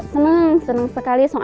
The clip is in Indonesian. senang senang sekali